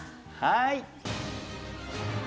はい。